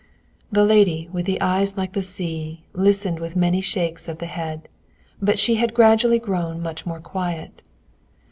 The lady with the eyes like the sea listened with many shakes of the head, but she had gradually grown much more quiet.